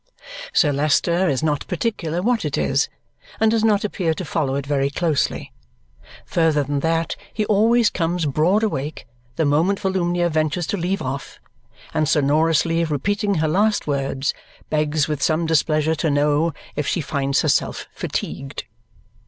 Sir Leicester is not particular what it is and does not appear to follow it very closely, further than that he always comes broad awake the moment Volumnia ventures to leave off, and sonorously repeating her last words, begs with some displeasure to know if she finds herself fatigued.